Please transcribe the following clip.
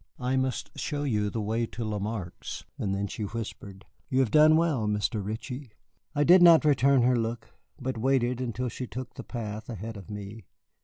"I must show you the way to Lamarque's." And then she whispered, "You have done well, Mr. Ritchie." I did not return her look, but waited until she took the path ahead of me.